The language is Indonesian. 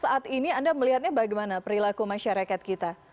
saat ini anda melihatnya bagaimana perilaku masyarakat kita